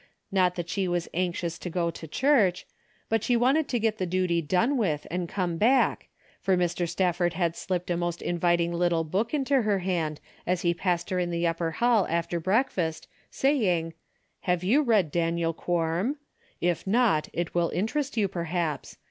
Not that she was anxious to go to church, but she wanted to get the duty done with and come back, for Mr. Stafford had slipped a most inviting little book into her hand, as he passed her in the upper hall after breakfast, saying "Have you read Daniel Quorm ? If not, it will interest you, perhaps.